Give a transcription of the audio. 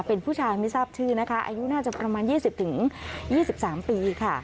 เป็นผู้ชายไม่ทราบชื่อนะคะอายุน่าจะประมาณ๒๐๒๓ปีค่ะ